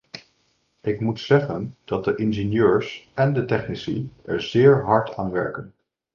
Ik moet zeggen dat de ingenieurs en de technici er zeer hard aan werken.